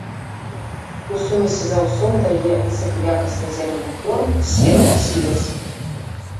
У сумесі з аўсом дае высакаякасны зялёны корм, сена, сілас.